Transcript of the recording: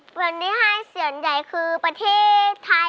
เงินที่ให้ส่วนใหญ่คือประเทศไทย